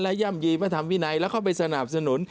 และย่ำยีพระธรรมวินัยแล้วเข้าไปสนับสนุน